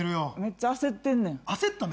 めっちゃ焦ってんねん。